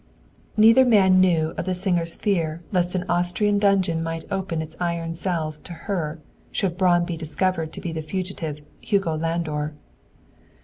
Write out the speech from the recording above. Neither man knew of the singer's fear lest an Austrian dungeon might open its iron cells to her, should Braun be discovered to be the fugitive Hugo Landor.